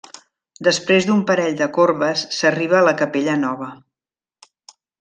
Després d'un parell de corbes s'arriba a la capella nova.